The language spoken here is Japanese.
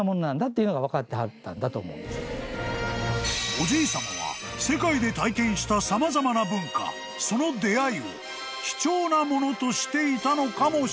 ［おじいさまは世界で体験した様々な文化その出会いを貴重なものとしていたのかもしれない］